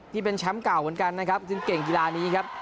ที่เป็นแชมป์เก่าเหมือนกันนะครับจึงเก่งกีฬานี้ครับ